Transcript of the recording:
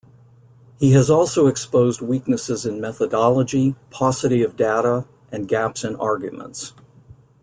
He has also exposed weaknesses in methodology, paucity of data, and gaps in arguments.